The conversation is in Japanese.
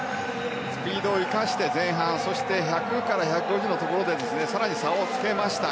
スピードを生かして前半そして１００から１５０のところで更に差をつけました。